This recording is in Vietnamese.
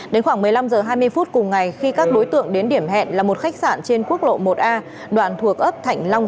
đến khoảng một mươi năm h hai mươi phút cùng ngày khi các đối tượng đến điểm hẹn là một khách sạn trên quốc lộ một a đoạn thuộc ấp thạnh long